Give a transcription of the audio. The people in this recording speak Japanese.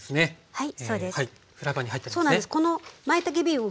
はい。